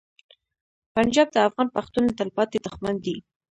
پنجاب د افغان پښتون تلپاتې دښمن دی.